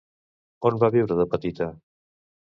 On va viure de petita?